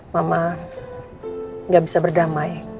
mama gak bisa berdamai